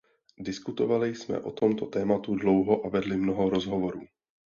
Diskutovali jsme o tomto tématu dlouho a vedli mnoho rozhovorů.